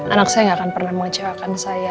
anak saya gak akan pernah mengecewakan saya